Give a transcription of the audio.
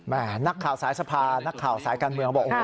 นักข่าวสายสภานักข่าวสายการเมืองบอก